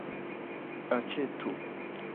aĉetu